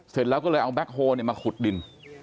เสร็จแล้วก็เลยเอาแก๊คโฮลมาขุดดิน